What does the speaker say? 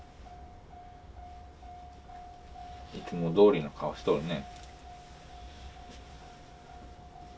いつもどおりの顔しとるね。